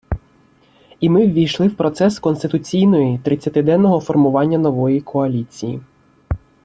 І ми ввійшли в процес конституційної тридцятиденного формування нової коаліції